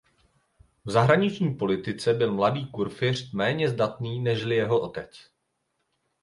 V zahraniční politice byl mladý kurfiřt méně zdatný nežli jeho otec.